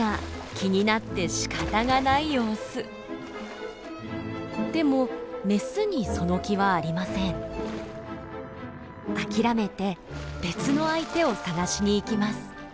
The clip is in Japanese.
諦めて別の相手を探しに行きます。